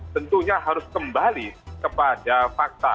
tentunya harus kembali kepada fakta